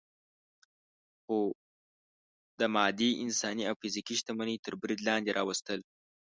خو د مادي، انساني او فزیکي شتمنۍ تر برید لاندې راوستل.